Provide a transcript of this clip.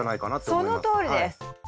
そのとおりです！